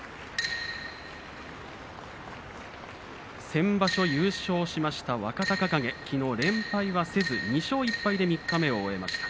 先場所、優勝しました若隆景きのう連敗はせず２勝１敗で三日目を終えました。